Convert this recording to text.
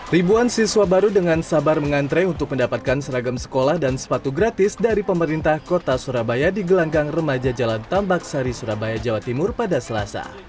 ribuan siswa baru dengan sabar mengantre untuk mendapatkan seragam sekolah dan sepatu gratis dari pemerintah kota surabaya di gelanggang remaja jalan tambak sari surabaya jawa timur pada selasa